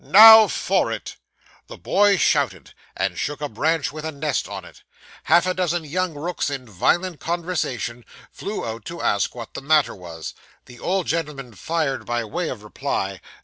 Now for it.' The boy shouted, and shook a branch with a nest on it. Half a dozen young rooks in violent conversation, flew out to ask what the matter was. The old gentleman fired by way of reply.